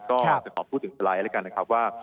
ก็จะขอพูดถึงสไลด์แล้วกันนะครับว่า